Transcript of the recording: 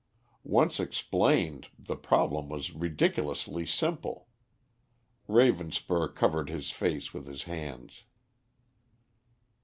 Once explained, the problem was ridiculously simple. Ravenspur covered his face with his hands.